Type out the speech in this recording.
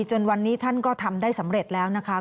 จนวันนี้ท่านก็ทำได้สำเร็จแล้วนะคะ